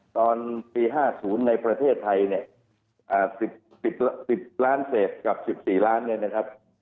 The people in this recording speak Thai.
ตอนปี๕๐ในประเทศไทยเนี่ย๑๐ล้านเศษกับ๑๔ล้านเนี่ยนะครับ